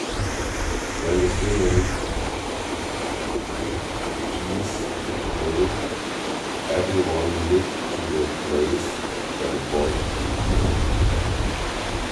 When the simum ceased to blow, everyone looked to the place where the boy had been.